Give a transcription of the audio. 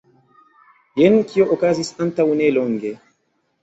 Jen kio okazis antaŭnelonge.